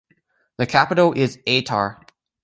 The capital is Atar.